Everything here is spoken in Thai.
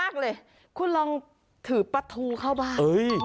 เลยคุณลองถือประทูเข้าบ้าน